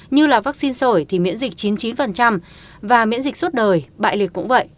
như là vaccine sởi thì miễn dịch chín mươi chín và miễn dịch suốt đời bại liệt cũng vậy